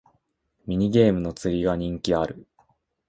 ミニゲームの釣りが人気ある